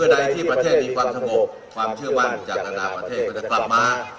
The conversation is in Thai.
ใดที่ประเทศมีความสงบความเชื่อมั่นจากนานาประเทศก็จะกลับมา